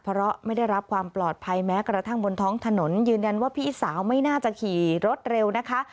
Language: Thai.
เพราะไม่ได้รับความปลอดภัยแม้กระทั่งบนท้องถนนยืนยันว่าพี่สาวไม่น่าจะขี่รถเร็วนะคะ